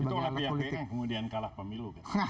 itu oleh pihak pn kemudian kalah pemilu